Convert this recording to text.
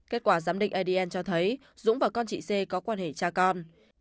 kết quả giám định adn cho thấy dũng và con chị c có quan hệ cha con